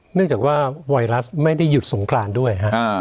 เนื่องจากว่าไวรัสไม่ได้หยุดสงครานด้วยฮะ